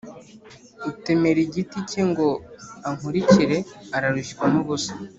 utemera igiti cye ngo ankurikire ararushywa n’ubusa